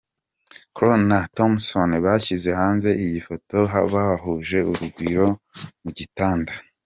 Khloe na Thompson bashyize hanze iyi foto bahuje urugwiro mu gitanda.